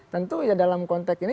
tentu ya dalam konteks ini